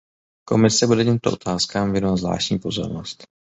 Komise bude těmto otázkám věnovat zvláštní pozornost.